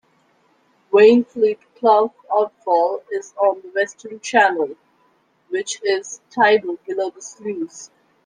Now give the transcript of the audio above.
Wainfleet Clough Outfall is on the western channel, which is tidal below the sluice.